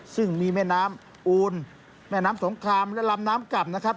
ซึ่งมีแม่น้ำอูนแม่น้ำสงครามและลำน้ำกลับนะครับ